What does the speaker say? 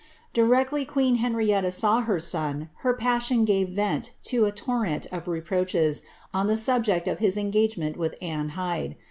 Directly queen Henrietta saw her son, her passion gave vent to a tor ent of reproaches on the subject of his engagement with Anne Hyde.